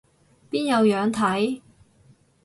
邊有樣睇